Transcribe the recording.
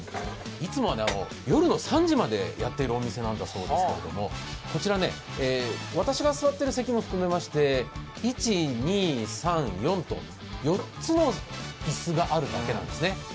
いつもは夜の３時までやってるお店なんだそうですけどもこちら、私が座っている席も含めまして１、２、３、４と４つの椅子があるだけなんですね。